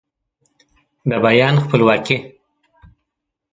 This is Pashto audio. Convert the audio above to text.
د بیان خپلواکي